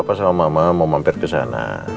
apa sama mama mau mampir ke sana